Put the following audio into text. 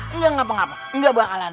enggak enggak enggak enggak bakalan